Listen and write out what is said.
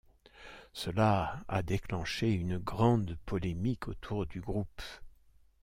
Cela a déclenché une grande polémique autour du groupe.